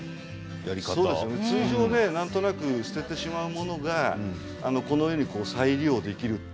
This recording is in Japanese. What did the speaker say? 通常なんとなく捨ててしまうものが、このように再利用できる。